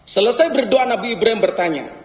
selesai berdoa nabi ibrahim bertanya